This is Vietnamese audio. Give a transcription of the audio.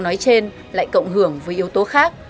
nói trên lại cộng hưởng với yếu tố khác